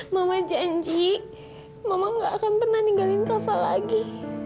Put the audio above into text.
mama janji mama gak akan pernah ninggalin kava lagi